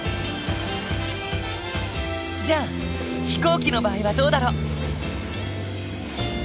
じゃあ飛行機の場合はどうだろう？